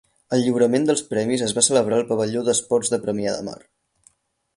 El lliurament dels premis es va celebrar al Pavelló d'Esports de Premià de Mar.